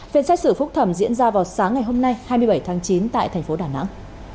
phiên xét xử phúc thẩm diễn ra vào sáng ngày hôm nay hai mươi bảy tháng chín tại thành phố đà nẵng